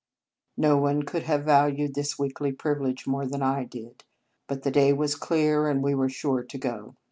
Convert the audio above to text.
No one could have valued this weekly privilege more than I did; but the day was clear, and we were sure to go.